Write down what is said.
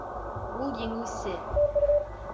Ул еңеүсе!